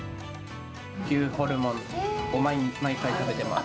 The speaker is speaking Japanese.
牛ホルモンを毎回食べてます。